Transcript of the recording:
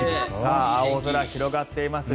青空、広がっています。